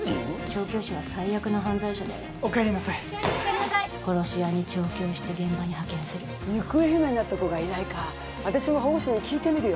調教師は最悪の犯罪者だよお帰りなさい殺し屋に調教して現場に派遣する行方不明になった子がいないか私も保護司に聞いてみる・